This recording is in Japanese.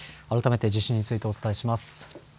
改めて地震についてお伝えします。